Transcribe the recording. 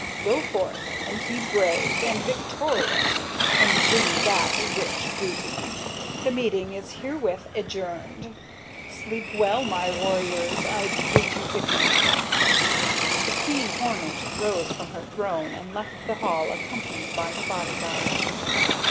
Go forth and be brave and victorious and bring back rich booty. The meeting is herewith adjourned. Sleep well, my warriors. I bid you good night." The queen hornet rose from her throne and left the hall accompanied by her body guard.